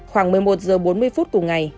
khoảng một mươi một h bốn mươi phút cùng ngày